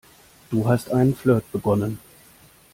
Du hast einen Flirt begonnen.